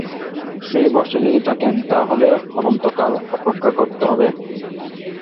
সেই ভরসায় যদি থাকেন তা হলে অনন্তকাল অপেক্ষা করতে হবে।